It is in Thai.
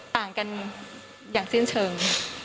ต่างกันอย่างสิ้นเชิง